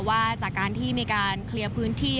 ว่าจากการที่มีการเคลียร์พื้นที่